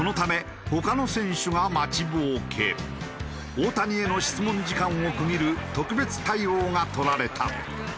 大谷への質問時間を区切る特別対応が取られた。